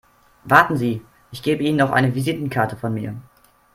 Warten Sie, ich gebe Ihnen noch eine Visitenkarte von mir.